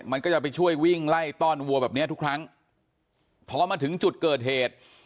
มันก็จะไปช่วยวิ่งไล่ต้อนวัวแบบเนี้ยทุกครั้งพอมาถึงจุดเกิดเหตุ